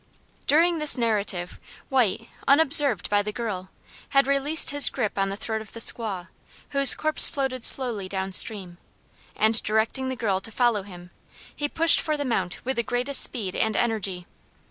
During this narrative, White, unobserved by the girl, had released his grip on the throat of the squaw, whose corpse floated slowly down stream, and, directing the girl to follow him, he pushed for the Mount with the greatest speed and energy.